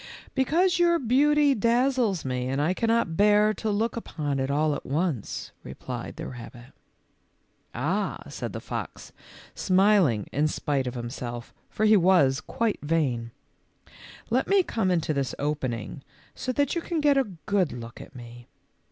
K Because your beauty dazzles me and I can not bear to look upon it all at once," replied the rabbit. "Ah," said the fox, smiling in spite of him self, for he was quite vain, " let me come into this opening so that you can get a good look at me."